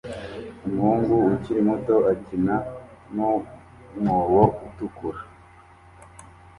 Umuhungu ukiri muto akina mu mwobo utukura